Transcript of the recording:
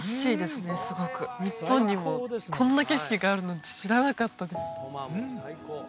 すごく日本にもこんな景色があるなんて知らなかったです